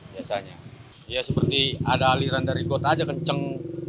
misalnya ya seperti ada aliran dari kotanya kenceng